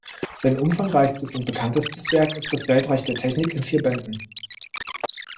Sein umfangreichstes und bekanntestes Werk ist "Das Weltreich der Technik" in vier Bänden.